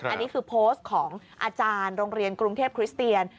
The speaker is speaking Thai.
อันนี้คือโพสต์ของอาจารย์โรงเรียนกรุงเทพคริสเตียน